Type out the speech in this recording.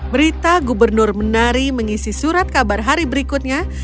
berita gubernur menari mengisi surat kabar hari berikutnya